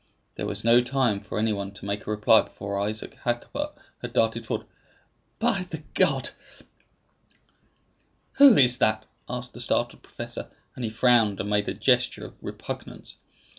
There was no time for anyone to make a reply before Isaac Hakkabut had darted forward. "By the God " "Who is that?" asked the startled professor; and he frowned, and made a gesture of repugnance.